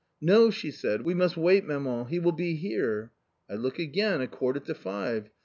' No,' she said, ' we must wait, maman, he will be here.' I look again, a quarter to five.